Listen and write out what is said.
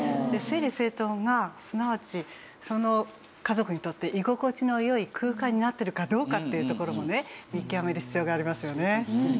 で整理整頓がすなわちその家族にとって居心地の良い空間になっているかどうかっていうところもね見極める必要がありますよね。